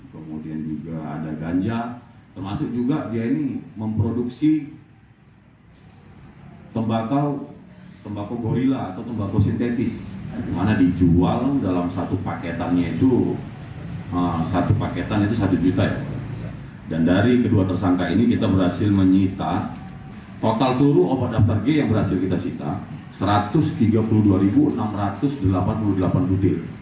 kedua tersangka ini kita berhasil menyita total seluruh obat daftar g yang berhasil kita sita satu ratus tiga puluh dua enam ratus delapan puluh delapan budir